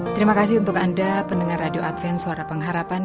terima kasih untuk anda pendengar radio adven suara pengharapan